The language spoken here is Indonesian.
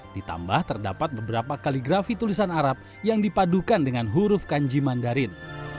ditambah terdapat beberapa kaligrafi tulisan arab yang dipadukan dengan huruf kanji mandarin